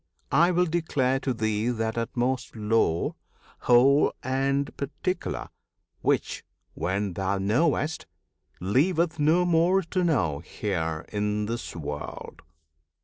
I will declare to thee that utmost lore, Whole and particular, which, when thou knowest, Leaveth no more to know here in this world.